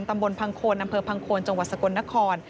ตำบลพังโคนอำเภอพังโคนจังหวัดสกลนคร